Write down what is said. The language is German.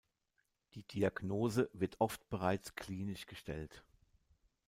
Die Diagnose wird oft bereits klinisch gestellt.